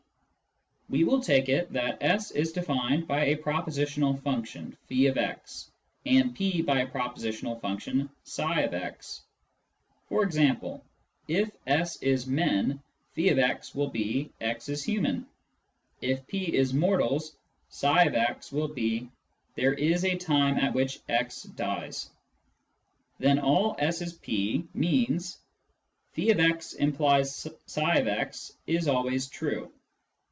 We will take it that S is defined by a propositional function <f>x; and P by a propositional function i/ix. E.g., if S is men, <j>x will be " x is human "; if P is mortals, ipx will be " there is a time at which x dies." Then " all S is P " means :"' <f>x implies ipx ' is always true."